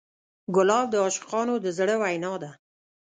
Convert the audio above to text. ګلاب د عاشقانو د زړه وینا ده.